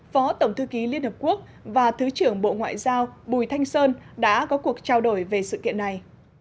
phó tổng thư ký liên hợp quốc và thứ trưởng bộ ngoại giao bùi thanh sơn đã có cuộc trao đổi về sự kiện này